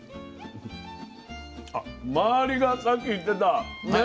周りがさっき言ってたね